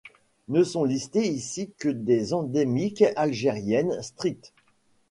Ne sont listées ici que des endémiques algériennes strictes.